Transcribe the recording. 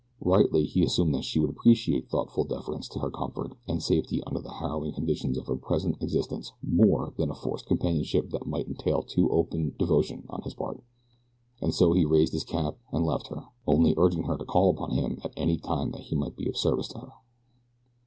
Rightly, he assumed that she would appreciate thoughtful deference to her comfort and safety under the harrowing conditions of her present existence more than a forced companionship that might entail too open devotion on his part. And so he raised his cap and left her, only urging her to call upon him at any time that he might be of service to her.